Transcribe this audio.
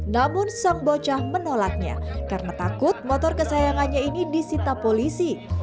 namun sang bocah menolaknya karena takut motor kesayangannya ini disita polisi